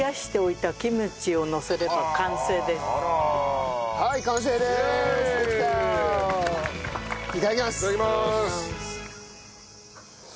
いただきます。